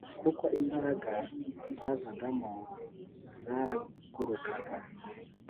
kuko imbaraga zamuvagamo zaragurukaga